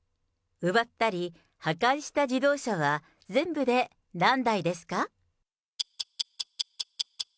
奪ったり破壊した自動車は全部で何台ですか？